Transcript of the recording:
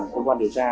cơ quan điều tra